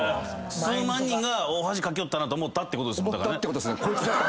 数万人が大恥かきよったなと思ったってことですもんね。